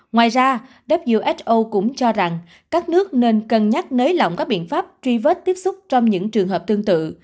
ngoài ra who cũng cho rằng các nước nên cân nhắc nới lỏng các biện pháp truy vết tiếp xúc trong những trường hợp tương tự